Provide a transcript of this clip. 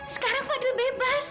sekarang fadil bebas